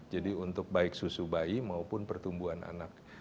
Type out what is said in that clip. jadi untuk baik susu bayi maupun pertumbuhan anak